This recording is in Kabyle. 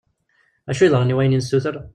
D acu yeḍran i wayen i nessuter?